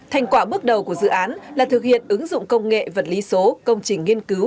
thành quả bước đầu của dự án là thực hiện ứng dụng công nghệ vật lý số công trình nghiên cứu